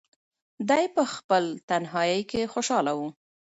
دی په خپل تنهایۍ کې خوشحاله و.